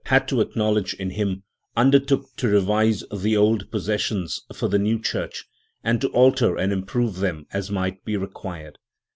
7 had to acknowledge in him, undertook to revise tlie old possessions for the new Church, and to alter and improve them as might be required.